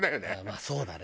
まあそうだね。